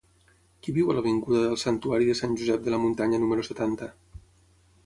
Qui viu a l'avinguda del Santuari de Sant Josep de la Muntanya número setanta?